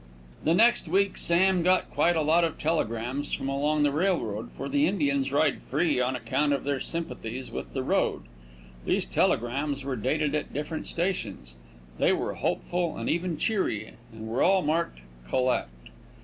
The next week Sam got quite a lot of telegrams from along the railroad for the Indians ride free on account of their sympathies with the road. These telegrams were dated at different stations. They were hopeful and even cheery, and were all marked "collect."